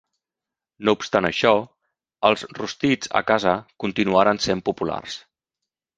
No obstant això, els rostits a casa continuaren sent populars.